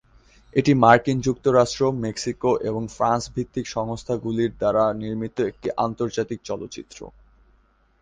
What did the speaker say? এটি মার্কিন যুক্তরাষ্ট্র, মেক্সিকো এবং ফ্রান্স ভিত্তিক সংস্থাগুলির দ্বারা নির্মিত একটি আন্তর্জাতিক চলচ্চিত্র।